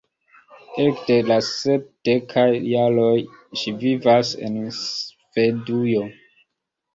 Ekde la sepdekaj jaroj ŝi vivas en Svedujo.